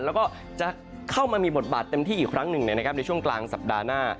แล้วก็จะเข้ามามีบทบาทเต็มที่อีกครั้งหนึ่งในช่วงกลางสัปดาห์หน้า